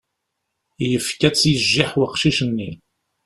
Yefka-tt i jjiḥ weqcic-nni.